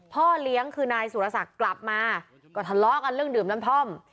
พ่อเลี้ยงคือนายสุรศักดิ์กลับมาก็ทะเลาะกันเรื่องดื่มน้ำท่อม